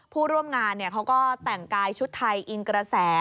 ผู้ร่วมงานเขาก็แต่งกายชุดไทยอินกระแส